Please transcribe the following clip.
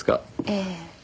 ええ。